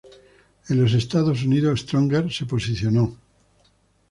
En los Estados Unidos "Stronger" se posicionó No.